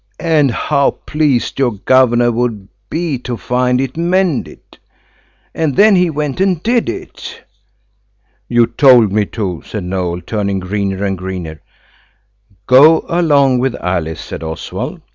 And how pleased your governor would be to find it mended. And then he went and did it." "You told me to," said Noël, turning greener and greener. "Go along with Alice," said Oswald.